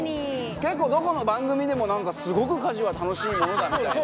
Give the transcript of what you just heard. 結構どこの番組でもなんかすごく家事は楽しいものだみたいな。